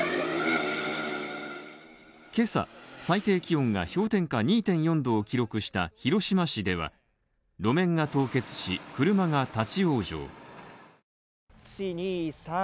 今朝、最低気温が氷点下２．４度を記録した広島市では路面が凍結し、車が立往生。